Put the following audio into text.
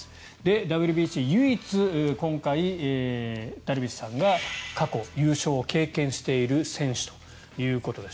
ＷＢＣ唯一、今回ダルビッシュさんが過去、優勝を経験している選手ということです。